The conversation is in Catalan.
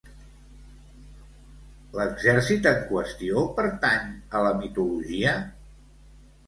L'exèrcit en qüestió pertany a la mitologia?